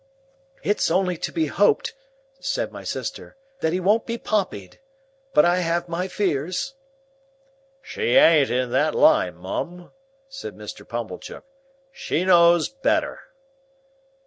"It's only to be hoped," said my sister, "that he won't be Pompeyed. But I have my fears." "She ain't in that line, Mum," said Mr. Pumblechook. "She knows better."